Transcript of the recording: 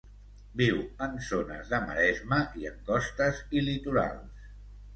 Viu en zones de maresma en costes i litorals.